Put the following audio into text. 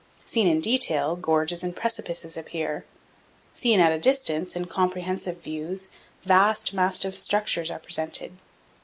Seen in detail, gorges and precipices appear; seen at a distance, in comprehensive views, vast massive structures are presented.